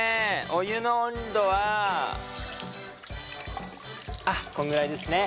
お湯の温度はあっこんぐらいですね。